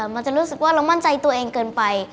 มันจะรู้สึกว่าเรามั่นใจตัวเองเกินไป